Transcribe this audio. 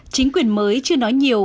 chính quyền mới chưa nói nhiều